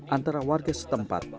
antara warga setempat